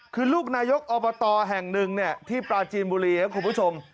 คือลูกนายกอบตแห่งหนึ่งที่ปราจีนบุรีครับคุณผู้ชม